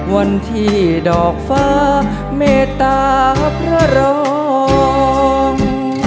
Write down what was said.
วันที่ดอกฟ้าเมตตาพระรอง